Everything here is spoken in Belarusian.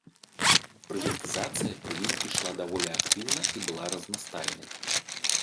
Прыватызацыя пры ім ішла даволі актыўна і была разнастайнай.